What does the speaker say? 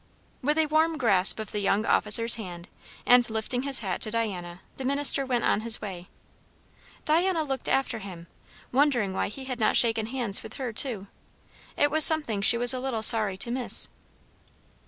With a warm grasp of the young officer's hand, and lifting his hat to Diana, the minister went on his way. Diana looked after him, wondering why he had not shaken hands with her too. It was something she was a little sorry to miss.